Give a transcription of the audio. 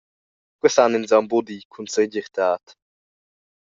Quei san ins aunc buca dir cun segirtad.